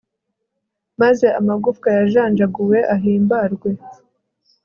maze amagufwa wajanjaguye ahimbarwe